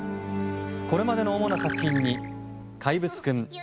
これまでの主な作品に「怪物くん」